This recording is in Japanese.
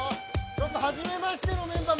ちょっと初めましてのメンバー